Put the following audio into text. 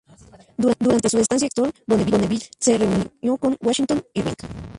Durante su estancia con Astor, Bonneville se reunió con Washington Irving.